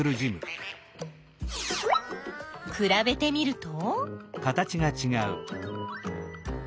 くらべてみると？